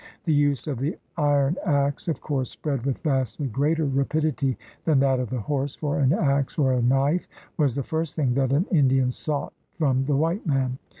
The use of the iron axe of course spread with vastly greater rapidity than that of the horse, for an axe or a knife was the first thing that an Indian sought from the white man.